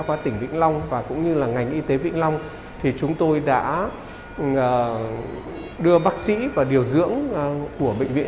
khoa tỉnh vĩnh long và ngành y tế vĩnh long chúng tôi đã đưa bác sĩ và điều dưỡng của bệnh viện